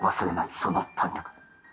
その胆力